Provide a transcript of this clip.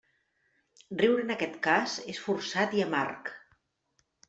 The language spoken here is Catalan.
Riure en aquest cas és forçat i amarg.